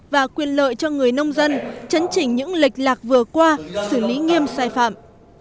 và quyền lợi cho người nông dân chấn chỉnh những lệch lạc vừa qua xử lý nghiêm sai phạm